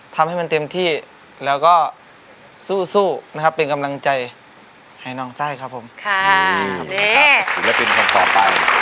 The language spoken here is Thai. ทำให้มันเต็มที่แล้วก็สู้สู้นะครับเป็นกำลังใจให้น้องไส้ครับผมค่ะนี่